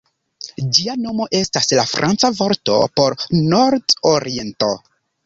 Ĝia nomo estas la franca vorto por "nord-oriento".